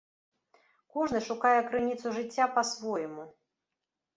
Кожны шукае крыніцу жыцця па-свойму.